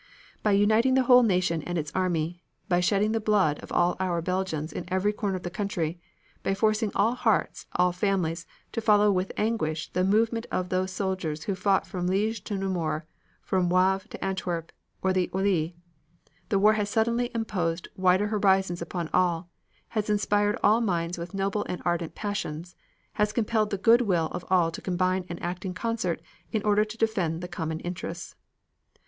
"By uniting the whole nation and its army, by shedding the blood of all our Belgians in every corner of the country, by forcing all hearts, all families, to follow with anguish the movement of those soldiers who fought from Liege to Namur, from Wavre to Antwerp or the Oise, the war has suddenly imposed wider horizons upon all, has inspired all minds with noble and ardent passions, has compelled the good will of all to combine and act in concert in order to defend the common interests.